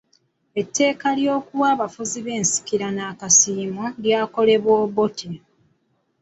Etteeka ly’okuwa abafuzi b’ensikirano akasiimo lyakolebwa Obote.